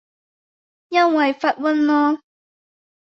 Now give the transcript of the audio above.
因爲發達囉